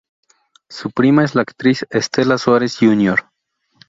Su prima es la actriz Stella Suárez, Jr.